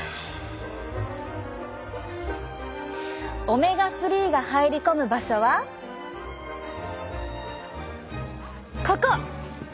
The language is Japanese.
オメガ３が入り込む場所はここ！